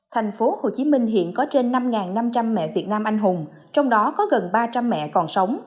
thành phố hồ chí minh hiện có trên năm năm trăm linh mẹ việt nam anh hùng trong đó có gần ba trăm linh mẹ còn sống